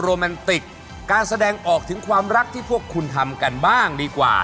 การอัดการณ์ติดการแสดงออกถึงความรักที่พวกคุณทำกันบ้างดีกว่านะฮะ